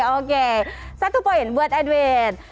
oke satu poin buat edwin